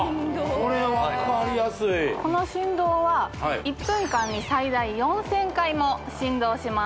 これ分かりやすいこの振動は１分間に最大４０００回も振動します